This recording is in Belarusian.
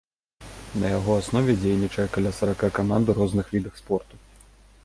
На яго аснове дзейнічае каля сарака каманд у розных відах спорту.